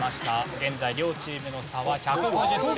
現在両チームの差は１５０点。